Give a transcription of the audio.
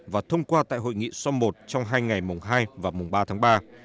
và thông qua tại hội nghị som một trong hai ngày mùng hai và mùng ba tháng ba